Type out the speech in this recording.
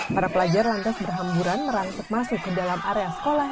para pelajar lantas berhamburan merangkut masuk ke dalam area sekolah